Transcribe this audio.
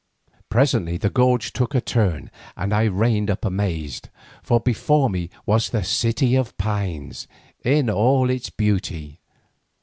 Presently the gorge took a turn and I reined up amazed, for before me was the City of Pines in all its beauty.